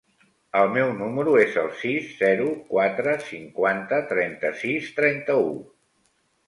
El meu número es el sis, zero, quatre, cinquanta, trenta-sis, trenta-u.